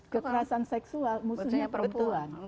kekerasan seksual musuhnya perempuan